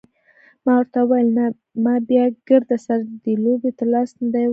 ما ورته وویل نه ما بیا ګردسره دې لوبې ته لاس نه دی وروړی.